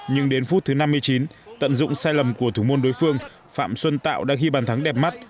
nhưng đến phút thứ năm mươi chín tận dụng sai lầm của thủ môn đối phương phạm xuân tạo đã ghi bàn thắng đẹp mắt